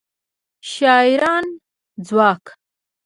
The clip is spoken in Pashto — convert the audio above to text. شاعرانه ځواک